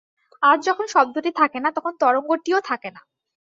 আর যখন শব্দটি থাকে না, তখন তরঙ্গটিও থাকে না।